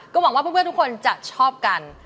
ก็หวังว่าทุกคนจะชอบกัน